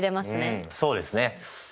うんそうですね。